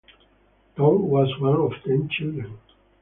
Tom was one of ten children.